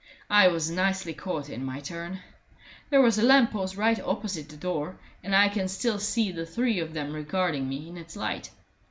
I was nicely caught in my turn. There was a lamp post right opposite the door, and I can still see the three of them regarding me in its light.